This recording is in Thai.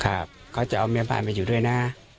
ครับเขาจะเอาเมียบ้านไปอยู่ด้วยนะ